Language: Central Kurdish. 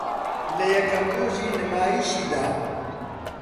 لە یەکەم رۆژی نمایشیدا